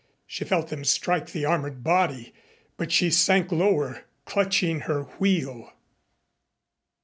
She felt them strike the armored body, but she sank lower, clutching her wheel.